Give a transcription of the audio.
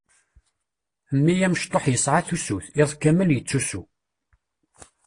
Mmi amecṭuḥ yesɛa tusut, iḍ kamel yettusu.